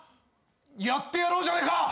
やってやろうじゃねえか。